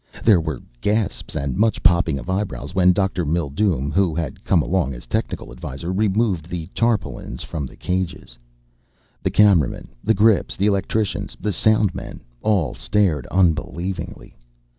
There were gasps and much popping of eyebrows when Dr. Mildume who had come along as technical adviser removed the tarpaulins from the cages. The cameramen, the grips, the electricians, the sound men all stared unbelievingly.